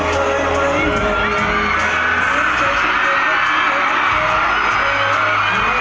สันติวะแกใช้ใจนานแกงงพันคม